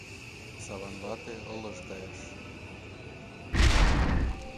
Саван вате ылыж кайыш.